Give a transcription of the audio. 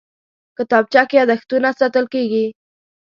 کتابچه کې یادښتونه ساتل کېږي